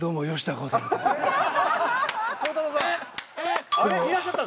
鋼太郎さん！